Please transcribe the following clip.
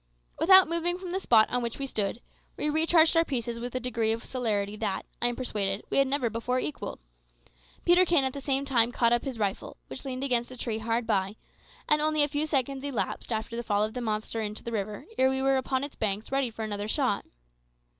Without moving from the spot on which we stood, we recharged our pieces with a degree of celerity that, I am persuaded, we never before equalled. Peterkin at the same time caught up his rifle, which leaned against a tree hard by, and only a few seconds elapsed after the fall of the monster into the river ere we were upon its banks ready for another shot.